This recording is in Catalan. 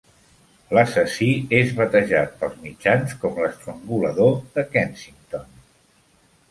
L'assassí és batejat pels mitjans com "l'estrangulador de Kensington".